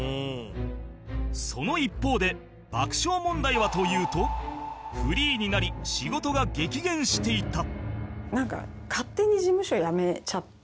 その一方で爆笑問題はというとフリーになり仕事が激減していた